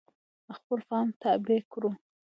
خپل فهم تابع کړو.